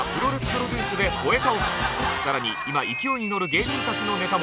更に今勢いに乗る芸人たちのネタも。